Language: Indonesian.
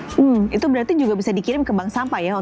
hmm itu berarti juga bisa dikirim ke bank sampah ya